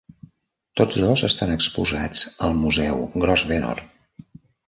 Tots dos estan exposats al Museu Grosvenor.